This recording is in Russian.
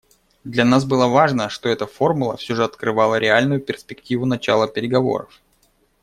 Для нас было важно, что эта формула все же открывала реальную перспективу начала переговоров.